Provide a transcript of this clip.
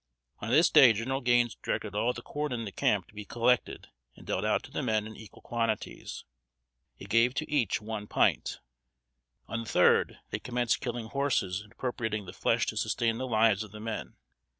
On this day, General Gaines directed all the corn in the camp to be collected and dealt out to the men in equal quantities. It gave to each one pint. On the third, they commenced killing horses, and appropriating the flesh to sustain the lives of the men.